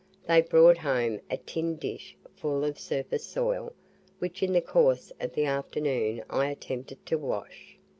They brought home a tin dish full of surface soil, which in the course of the afternoon I attempted to wash.